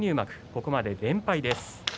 ここまで連敗です。